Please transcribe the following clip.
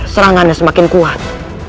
serangannya semakin kuat